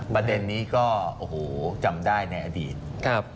ประเด็นนี้ก็จำได้ในอดีต